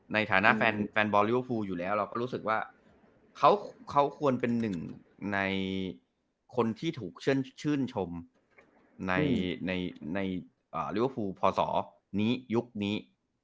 ในฐานะแฟนบอลลิเวอร์ฟูลอยู่แล้วเราก็รู้สึกว่าเขาควรเป็นหนึ่งในคนที่ถูกชื่นชมในลิเวอร์ฟูลพศนี้ยุคนี้